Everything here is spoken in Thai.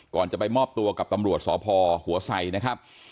ก่อนจะไปมอบตัวกับตำรวจสพหัวไสนะครับ